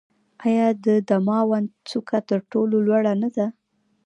آیا د دماوند څوکه تر ټولو لوړه نه ده؟